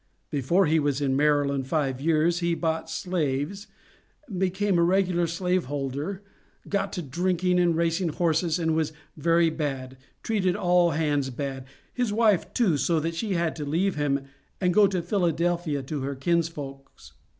Before he was in Maryland five years he bought slaves, became a regular slave holder, got to drinking and racing horses, and was very bad treated all hands bad, his wife too, so that she had to leave him and go to Philadelphia to her kinsfolks.